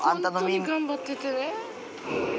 ホントに頑張っててね。